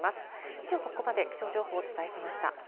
以上、ここまで気象情報をお伝えしました。